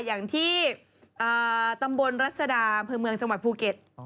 อย่างที่ตำบลรัศดาอำเภอเมืองจังหวัดภูเก็ต